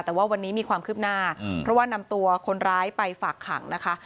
แต่ว่าวันนี้มีความคืบหน้าเพราะว่านำตัวคนร้ายไปฝากขังนะคะ